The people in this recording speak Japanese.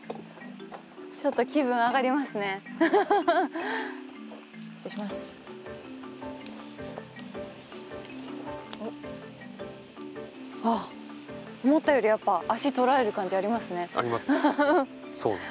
ちょっと気分上がりますね失礼しますあっ思ったよりやっぱ足とられる感じありますねあります？